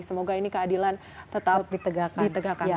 semoga ini keadilan tetap ditegakkan